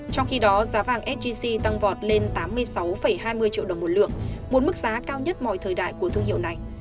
trong khi đó giá vàng sgc tăng vọt lên tám mươi sáu hai mươi triệu đồng một lượng một mức giá cao nhất mọi thời đại của thương hiệu này